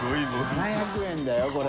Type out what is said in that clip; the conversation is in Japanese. ７００円だよこれ。